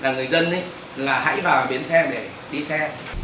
người dân là hãy vào biến xe để đi xe